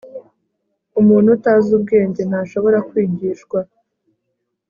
umuntu utazi ubwenge ntashobora kwigishwa